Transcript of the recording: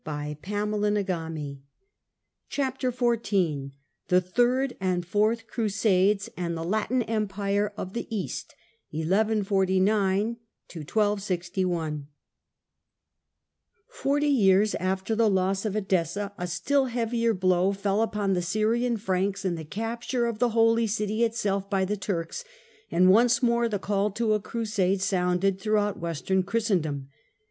1 CHAPTEE XIV THE THIRD AND FOURTH CRUSADES AND THE LATIN EMPIRE OF THE EAST [1149 1261] FOETY years after the loss of Eclessa a still heavier blow fell upon the Syrian Franks in the capture of the Holy City itself by the Turks, and once more the call to a Crusade sounded throughout Western Christendom.